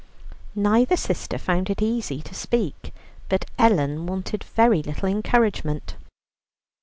Neither sister found it easy to speak, but Ellen wanted very little encouragement.